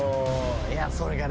いやそれがね